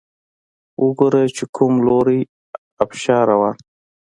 وګوره چې کوم لوری ابشار روان